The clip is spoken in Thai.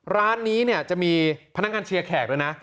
ร้านนี้เนี่ยจะมีพนักงานเชียร์แขกด้วยนะ